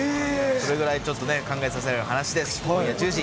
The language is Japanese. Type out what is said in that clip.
それぐらいちょっとね、考えさせられる話です。